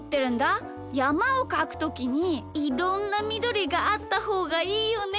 やまをかくときにいろんなみどりがあったほうがいいよね。